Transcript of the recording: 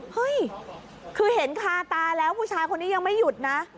เฮ้ยคือเห็นคาตาแล้วผู้ชายคนนี้ยังไม่หยุดนะ